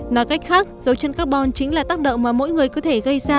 nói cách khác dấu chân carbon chính là tác động mà mỗi người có thể gây ra